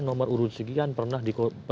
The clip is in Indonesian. nomor urut sekian pernah